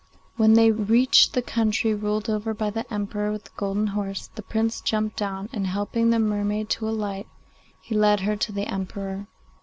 When they reached the country ruled over by the Emperor with the golden horse, the Prince jumped down, and, helping the mermaid to alight, he led her before the Emperor.